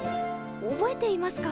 覚えていますか？